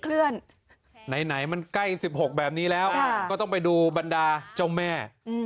เคลื่อนไหนมันใกล้สิบหกแบบนี้แล้วค่ะก็ต้องไปดูบรรดาเจ้าแม่อืม